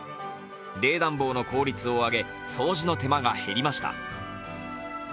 冷暖房の効率を上げ掃除の手間が減りました。